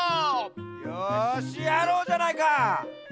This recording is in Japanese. よしやろうじゃないか！